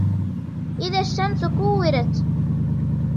إِذَا الشَّمْسُ كُوِّرَتْ